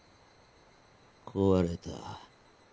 壊れた。